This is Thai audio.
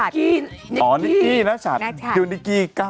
ก้อยเด็กแก่นี้นิกกี้น่ะ